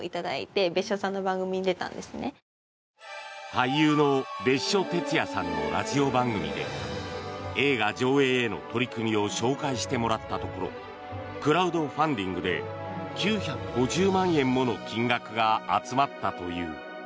俳優の別所哲也さんのラジオ番組で映画上映への取り組みを紹介してもらったところクラウドファンディングで９５０万円もの金額が集まったという。